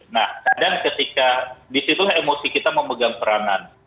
nah kadang ketika disitu emosi kita memegang perasaan